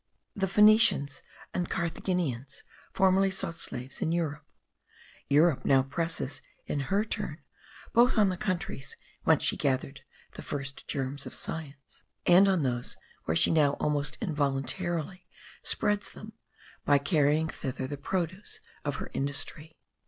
The Phoenicians and Carthaginians formerly sought slaves in Europe. Europe now presses in her turn both on the countries whence she gathered the first germs of science, and on those where she now almost involuntarily spreads them by carrying thither the produce of her industry.